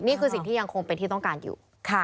นี่คือสิ่งที่ยังคงเป็นที่ต้องการอยู่